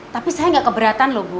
tapi saya nggak keberatan loh bu